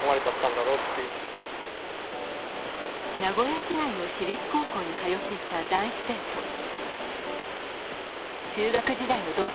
名古屋市内の私立高校に通っていた男子生徒。